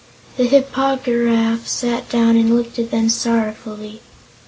The Hip po gy raf sat down and looked at them sorrowfully.